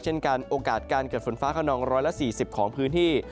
เช่นกันโอกาสการเกิดฝนฟ้าขนอง๑๔๐ของพื้นที่